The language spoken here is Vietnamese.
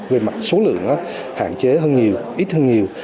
về mặt số lượng hạn chế hơn nhiều ít hơn nhiều